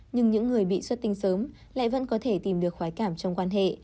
nhưng những người bị xuất tinh sớm lại vẫn có thể tìm được khoái cảm trong quan hệ